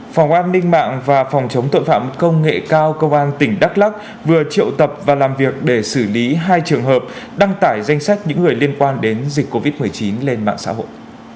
phòng an ninh mạng và phòng chống tội phạm công nghệ cao công an tỉnh đắk lắc vừa triệu tập và làm việc để xử lý hai trường hợp đăng tải danh sách những người liên quan đến dịch covid một mươi chín lên mạng xã hội